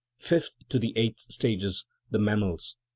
Fifth to the eighth stages the mammals.